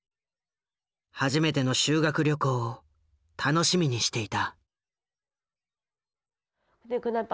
初めての修学旅行を楽しみにしていた。